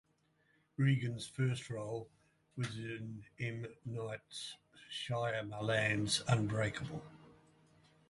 Regan's first role was in M. Night Shyamalan's "Unbreakable".